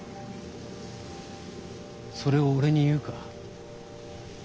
それを俺に言うか？